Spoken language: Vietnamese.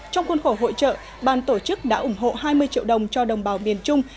trong khuôn khổ hội trợ ban tổ chức đã ủng hộ hai mươi triệu đồng cho đồng bào miền trung